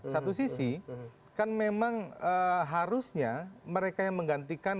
satu sisi kan memang harusnya mereka yang menggantikan